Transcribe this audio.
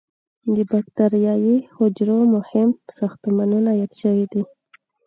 د بکټریايي حجرو مهم ساختمانونه یاد شوي دي.